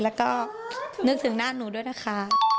แล้วก็นึกถึงหน้าหนูด้วยนะคะ